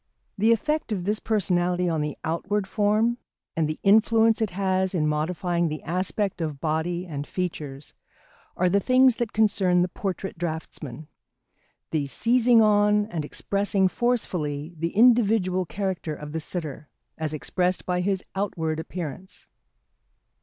The effect of this personality on the outward form, and the influence it has in modifying the aspect of body and features, are the things that concern the portrait draughtsman: the seizing on and expressing forcefully the individual character of the sitter, as expressed by his outward appearance.